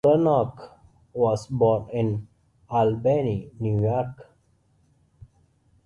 Kerouac was born in Albany, New York.